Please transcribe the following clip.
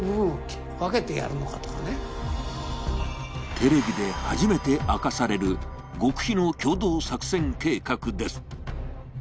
テレビで初めて明かされる極秘の共同作戦計画です。